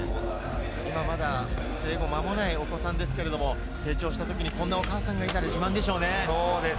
今まだ生後間もないお子さんですけれども、成長した時にこんなお母さんがいたら自慢でしょうね。